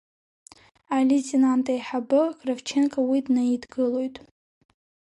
Алеитенант еиҳабы Кравченко уи днаидгылоит.